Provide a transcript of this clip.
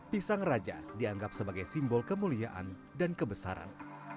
pisang raja dianggap sebagai simbol kemuliaan dan kebesaran